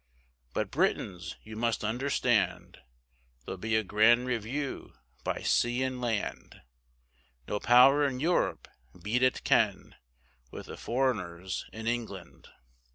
But Britons you must understand, There'll be a grand review by sea and land, No power in Europe beat it can, With the foreigners in England.